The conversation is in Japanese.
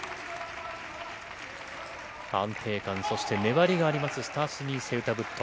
安定感、そして粘りがあります、スタシニ・セウタブット。